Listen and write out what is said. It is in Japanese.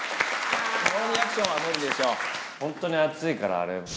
ノーリアクションは無理でしょうあっ